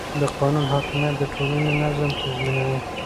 د قانون حاکمیت د ټولنې نظم تضمینوي